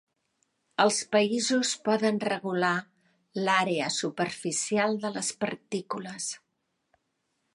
Els països poden regular l'àrea superficial de les partícules.